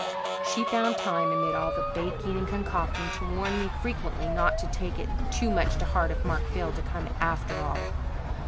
She found time amid all the baking and concocting to warn me frequently not to take it too much to heart if Mark failed to come after all.